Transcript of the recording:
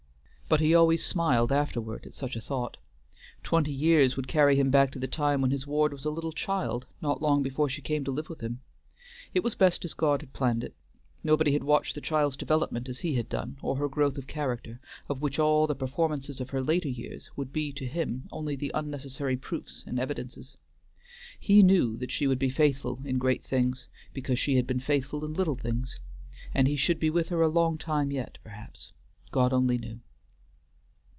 But he always smiled afterward at such a thought. Twenty years would carry him back to the time when his ward was a little child, not long before she came to live with him. It was best as God had planned it. Nobody had watched the child's development as he had done, or her growth of character, of which all the performances of her later years would be to him only the unnecessary proofs and evidences. He knew that she would be faithful in great things, because she had been faithful in little things, and he should be with her a long time yet, perhaps. God only knew.